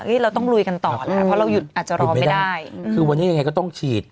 เราต้องลุยกันต่อแหละเพราะเราหยุดอาจจะรอไม่ได้คือวันนี้ยังไงก็ต้องฉีด